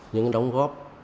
những đóng góp